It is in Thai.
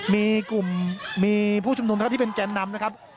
มีกลุ่มมีผู้ชุมนุมนะครับที่เป็นแกนนำนะครับ